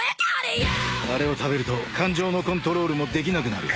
あれを食べると感情のコントロールもできなくなる。